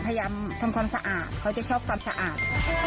พยายามทำความสะอาดเขาจะชอบความสะอาด